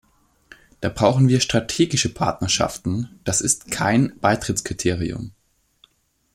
Da brauchen wir strategische Partnerschaften, das ist kein Beitrittskriterium.